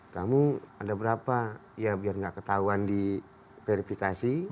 kamu ada berapa ya biar tidak ketahuan di verifikasi